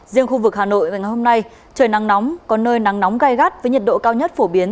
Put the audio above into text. riêng khu vực hà nội và ngày hôm nay trời nắng nóng có nơi nắng nóng gai gắt với nhiệt độ cao nhất phổ biến